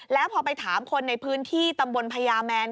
แล้วพอไปถามคนในพื้นที่ตำบลพญาแมน